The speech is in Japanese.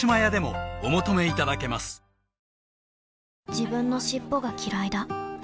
自分の尻尾がきらいだ